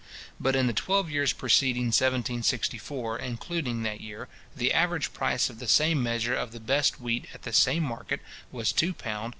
But in the twelve years preceding 1764 including that year, the average price of the same measure of the best wheat at the same market was £ 2:1:9½d.